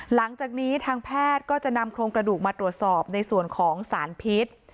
หลังจากนี้ทางแพทย์ก็จะนำโครงกระดูกมาตรวจสอบในส่วนของสารพิษ